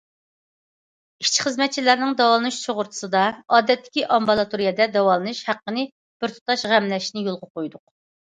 ئىشچى- خىزمەتچىلەرنىڭ داۋالىنىش سۇغۇرتىسىدا ئادەتتىكى ئامبۇلاتورىيەدە داۋالىنىش ھەققىنى بىرتۇتاش غەملەشنى يولغا قويدۇق.